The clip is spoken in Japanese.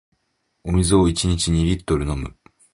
お水を一日二リットル飲む